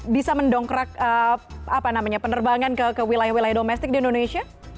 bisa mendongkrak penerbangan ke wilayah wilayah domestik di indonesia